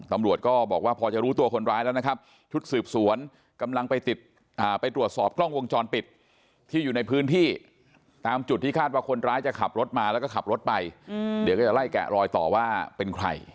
ตำรวจก็บอกว่าพอจะรู้ตัวคนร้ายแล้วนะครับชุดสืบสวนกำลังไปติดไปตรวจสอบกล้องวงจรปิดที่อยู่ในพื้นที่ตามจุดที่คาดว่าคนร้ายจะขับรถมาแล้วก็ขับรถไปเดี๋ยวก็จะไล่แกะรอยต่อว่าเป็นใคร